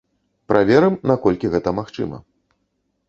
Праверым, наколькі гэта магчыма.